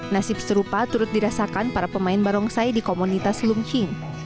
nasib serupa turut dirasakan para pemain barongsai di komunitas lung ching